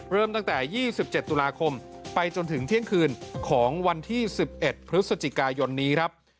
เริ่มตั้งแต่๒๗ตุลาคมไปจนถึงเที่ยงคืนของวันที่๑๑พฤศจิกายนนี้ครับ